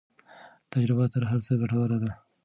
تجربه تر هر څه ګټوره ده.